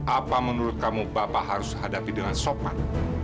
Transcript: apa menurut kamu bapak harus hadapi dengan sopan